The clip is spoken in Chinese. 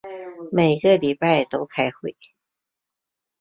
每一个礼拜都开会。